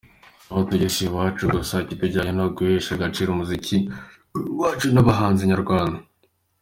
Aho tugiye si iwacu, gusa ikitujyanye ni uguhesha agaciro umuziki wacu n’abahanzi nyarwanda”.